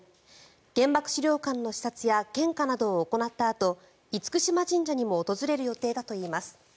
原爆資料館の視察や献花などを行ったあと厳島神社にも訪れる予定だといいます。